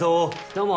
どうも。